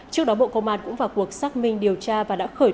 trước đó bộ công an cũng vào cuộc xác minh điều tra và đã khởi